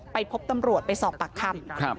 ไปพบตำรวจไปสอบปากคำ